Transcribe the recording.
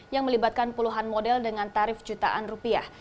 yang melibatkan puluhan model dengan tarif jutaan rupiah